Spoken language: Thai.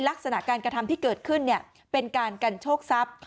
ลักษณะการกระทำที่เกิดขึ้นเป็นการกันโชคทรัพย์